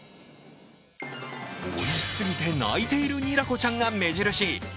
おいしすぎて泣いているニラ子ちゃんが目印。